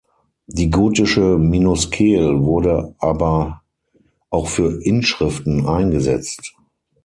Die gotische Minuskel wurde aber auch für Inschriften eingesetzt.